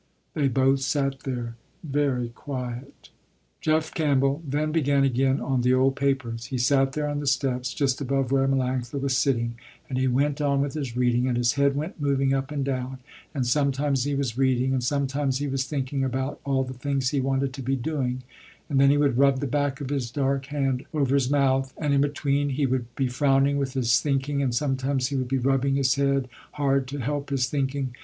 They both sat there very quiet. Jeff Campbell then began again on the old papers. He sat there on the steps just above where Melanctha was sitting, and he went on with his reading, and his head went moving up and down, and sometimes he was reading, and sometimes he was thinking about all the things he wanted to be doing, and then he would rub the back of his dark hand over his mouth, and in between he would be frowning with his thinking, and sometimes he would be rubbing his head hard to help his thinking.